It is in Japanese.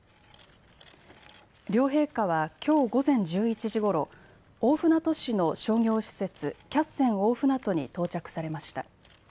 両陛下はきょう午前１１時ごろ大船渡市の商業施設、キャッセン大船渡に到着されました。